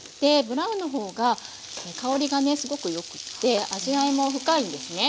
ブラウンの方が香りがねすごくよくって味わいも深いんですね。